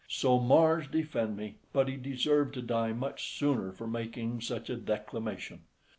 So Mars defend me! but he deserved to die much sooner for making such a declamation.